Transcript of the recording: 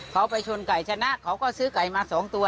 เขาไปชนไก่ชนะเขาก็ซื้อไก่มา๒ตัว